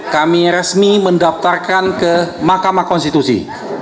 kami resmi mendaftarkan ke mahkamah konstitusi